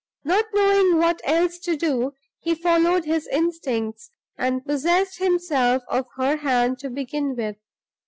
Not knowing what else to do, he followed his instincts, and possessed himself of her hand to begin with.